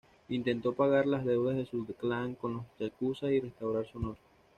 Intentó pagar las deudas de su clan con los Yakuza y restaurar su honor.